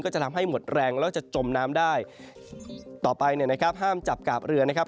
จะทำให้หมดแรงแล้วจะจมน้ำได้ต่อไปเนี่ยนะครับห้ามจับกาบเรือนะครับ